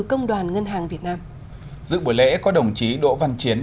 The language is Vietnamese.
công đoàn ngân hàng việt nam dự buổi lễ có đồng chí đỗ văn chiến